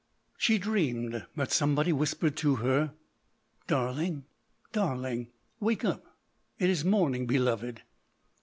She dreamed that somebody whispered to her, "Darling, darling, wake up. It is morning, beloved."